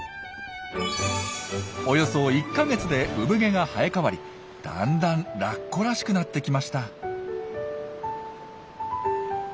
およそ１か月で産毛が生え変わりだんだんラッコらしくなってきました。